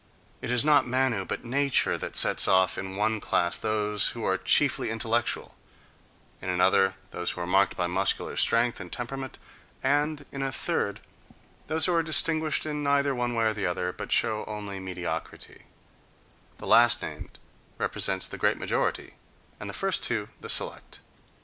It is not Manu but nature that sets off in one class those who are chiefly intellectual, in another those who are marked by muscular strength and temperament, and in a third those who are distinguished in neither one way or the other, but show only mediocrity—the last named represents the great majority, and the first two the select.